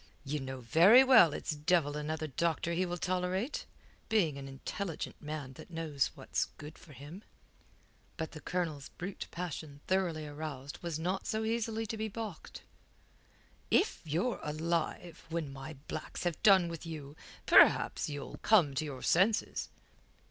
Ye know very well it's devil another doctor will he tolerate, being an intelligent man that knows what's good for him." But the Colonel's brute passion thoroughly aroused was not so easily to be baulked. "If you're alive when my blacks have done with you, perhaps you'll come to your senses."